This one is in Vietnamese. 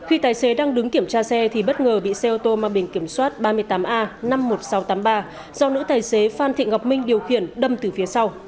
khi tài xế đang đứng kiểm tra xe thì bất ngờ bị xe ô tô mang biển kiểm soát ba mươi tám a năm mươi một nghìn sáu trăm tám mươi ba do nữ tài xế phan thị ngọc minh điều khiển đâm từ phía sau